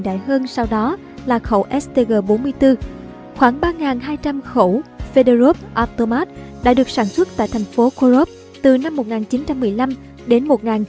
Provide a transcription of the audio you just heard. khoảng ba hai trăm linh khẩu fedorov automat đã được sản xuất tại thành phố khorov từ năm một nghìn chín trăm một mươi năm đến một nghìn chín trăm hai mươi bốn